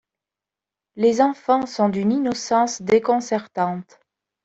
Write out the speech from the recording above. Les enfants sont d’une innocence déconcertante.